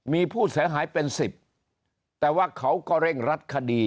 มีผู้เสียหายเป็นสิบแต่ว่าเขาก็เร่งรัดคดี